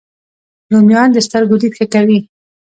رومیان د سترګو دید ښه کوي